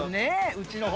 うちの方。